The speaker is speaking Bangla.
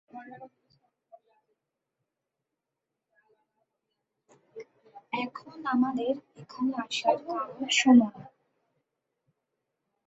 ব্রিটিশ ইংরেজি অপভাষায় গিট বলতে "বিরক্তিকর লোক" বোঝায়।